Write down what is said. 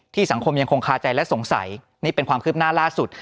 สังคมยังคงคาใจและสงสัยนี่เป็นความคืบหน้าล่าสุด